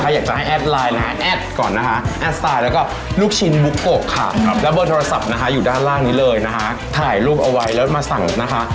อยากจะให้แอดไลน์นะแอดก่อนนะคะแอดสไตล์แล้วก็ลูกชิ้นบุ๊กโกะค่ะแล้วเบอร์โทรศัพท์นะคะอยู่ด้านล่างนี้เลยนะคะถ่ายรูปเอาไว้แล้วมาสั่งนะคะ